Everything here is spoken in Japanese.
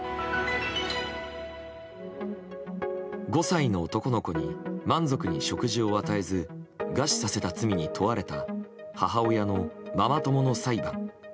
５歳の男の子に満足に食事を与えず餓死させた罪に問われた母親のママ友の裁判。